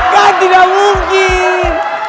kan tidak mungkin